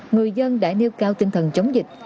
người dân đã nêu cao tinh thần chống dịch